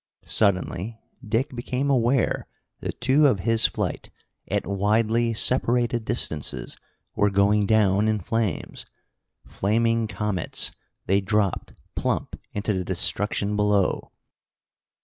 Suddenly Dick became aware that two of his flight, at widely separated distances, were going down in flames. Flaming comets, they dropped plump into the destruction below.